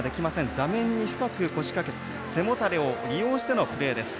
座面に深く腰掛けて背もたれを利用してのプレーです。